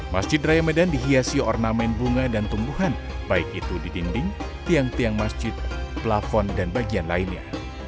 masjid raya medan dihiasi ornamen bunga dan tumbuhan baik itu di dinding tiang tiang masjid plafon dan bagian lainnya